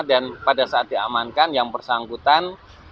dan pada saat diamankan yang bersangkutan